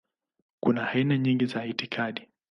Kuna aina nyingi za itikadi.